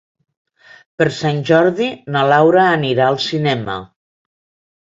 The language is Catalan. Per Sant Jordi na Laura anirà al cinema.